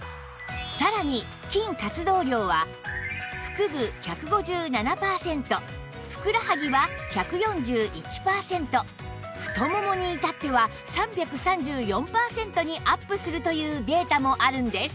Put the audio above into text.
さらに筋活動量は腹部１５７パーセントふくらはぎは１４１パーセント太ももに至っては３３４パーセントにアップするというデータもあるんです